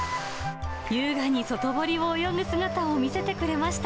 優雅に外堀を泳ぐ姿を見せてくれました。